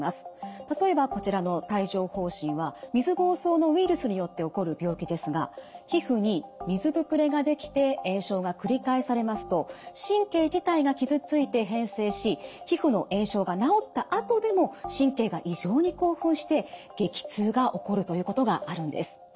例えばこちらの帯状ほう疹は水ぼうそうのウイルスによって起こる病気ですが皮膚に水ぶくれが出来て炎症が繰り返されますと神経自体が傷ついて変性し皮膚の炎症が治ったあとでも神経が異常に興奮して激痛が起こるということがあるんです。